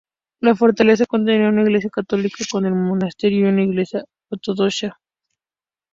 La fortaleza contenía una iglesia católica con el monasterio y una iglesia ortodoxa.